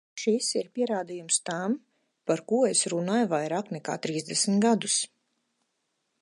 Šis ir pierādījums tam, par ko es runāju vairāk nekā trīsdesmit gadus.